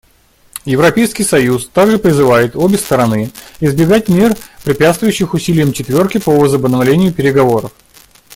Европейский союз также призывает обе стороны избегать мер, препятствующих усилиям «четверки» по возобновлению переговоров.